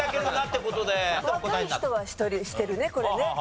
若い人はしてるねこれね。